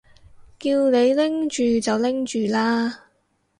叫你拎住就拎住啦